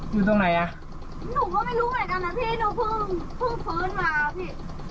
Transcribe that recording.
อยู่ตรงไหนอ่ะหนูก็ไม่รู้เหมือนกันนะพี่หนูเพิ่งเพิ่งฟื้นมาพี่